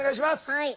はい。